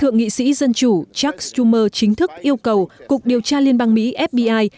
thượng nghị sĩ dân chủ chuck schumer chính thức yêu cầu cục điều tra liên bang mỹ fbi